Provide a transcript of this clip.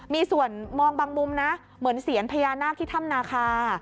มีส่วนมองบางมุมนะเหมือนเสียญพญานาคที่ถ้ำนาคา